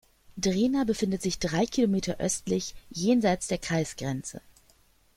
Drehna befindet sich drei Kilometer östlich, jenseits der Kreisgrenze.